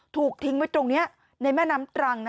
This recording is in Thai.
ถูกทิ้งไว้ตรงนี้ในแม่น้ำตรัง